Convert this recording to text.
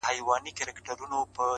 زړه مي را خوري،